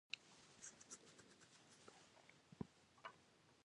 Originally the railway carried only coal, but demand led to passengers being carried.